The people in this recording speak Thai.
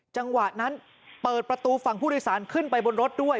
จังหวะนั้นเปิดประตูฝั่งผู้โดยสารขึ้นไปบนรถด้วย